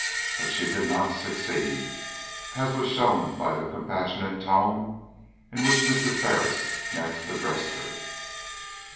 But she did not succeed, as was shown by the compassionate tone in which Mr. Ferris next addressed her.